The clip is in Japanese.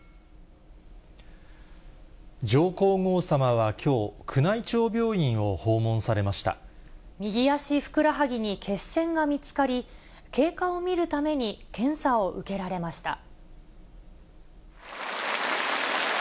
上皇后さまはきょう、宮内庁右足ふくらはぎに血栓が見つかり、経過を見るために検査を受けられました。